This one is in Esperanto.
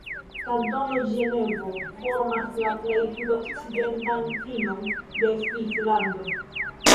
Kantono Ĝenevo formas la plej sudokcidentan finon de Svislando.